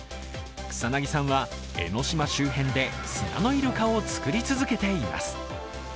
草薙さんは江の島周辺で砂のイルカを作り続けています。